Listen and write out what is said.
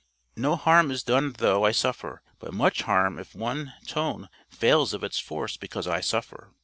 No harm is done, though I suffer; but much harm if one tone fails of its force because I suffer."